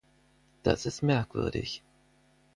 Das ist merkwürdig!